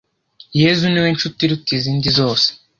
yezu ni we nshuti iruta izindi zose